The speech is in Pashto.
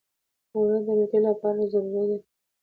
اوړه د روتۍ لپاره ضروري دي